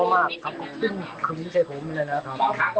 น่ากลัวมากซึ่งเขาไม่ใช่ผมแล้วนะคะ